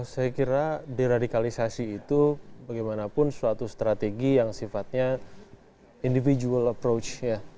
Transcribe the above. saya kira deradikalisasi itu bagaimanapun suatu strategi yang sifatnya individual approach ya